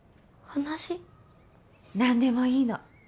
なんでもいいの。